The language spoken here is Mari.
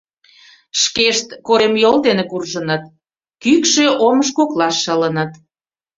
Шкешт коремйол дене куржыныт, кӱкшӧ омыж коклаш шылыныт.